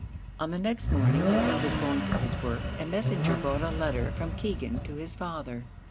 On the next morning, as he was going to his work, a messenger brought a letter from Keegan to his father.